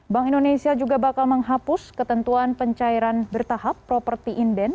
bank indonesia juga bakal menghapus ketentuan pencairan bertahap properti inden